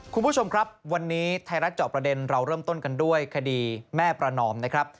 คุณผู้ชมครับวันนี้ไทยรัฐเจาะประเด็นเราเริ่มต้นกันด้วยคดีแม่ประนอมนะครับ